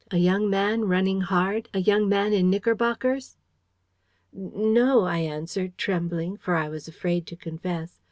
'A young man, running hard? A young man in knickerbockers?' "'N no,' I answered, trembling; for I was afraid to confess.